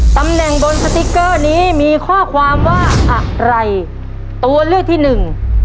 ตำแหน่งบนสติ๊กเกอร์นี้มีข้อความว่าอะไรตัวเลือกที่หนึ่ง